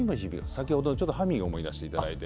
先ほどのちょっとハミングを思い出していただいて。